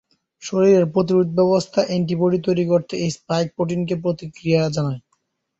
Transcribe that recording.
শরীরের প্রতিরোধ ব্যবস্থা অ্যান্টিবডি তৈরি করতে এই স্পাইক প্রোটিনকে প্রতিক্রিয়া জানায়।